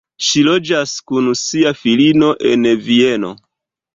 Ŝi loĝas kun sia filino en Vieno.